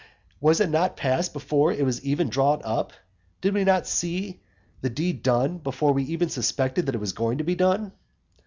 was it not passed before it was even drawn up? Did we not see the deed done before we even suspected that it was going to be done?